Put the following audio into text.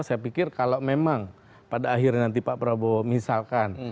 saya pikir kalau memang pada akhirnya nanti pak prabowo misalkan